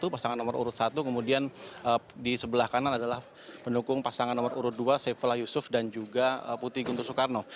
pasangan nomor urut satu kemudian di sebelah kanan adalah pendukung pasangan nomor urut dua saifullah yusuf dan juga putih guntur soekarno